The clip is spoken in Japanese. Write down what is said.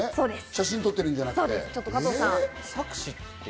写真撮ってるんじゃなくて。